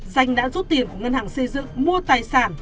danh đã rút tiền của ngân hàng xây dựng mua tài sản